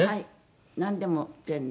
なんでも全然。